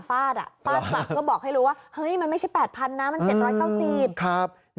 ฟาดปากก็บอกให้รู้ว่าเฮ้ยมันไม่ใช่๘๐๐๐นะมัน๗๙๐บาท